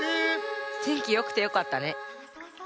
てんきよくてよかったね。